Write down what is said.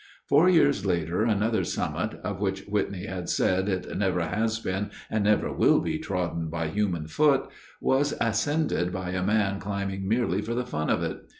Four years later another summit, of which Whitney had said, it "never has been, and never will be trodden by human foot," was ascended by a man climbing merely for the fun of it.